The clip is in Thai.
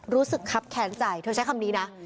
รู้สึกครับแค้นใจเธอใช้คำนี้นะ